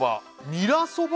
ニラそば？